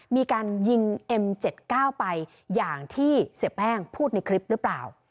มีการยิงเอ็ม๗๙ไปอย่างที่เสียแป้งพูดในคลิปหรือเปล่า